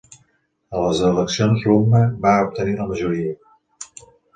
A les eleccions l'Umma va obtenir la majoria.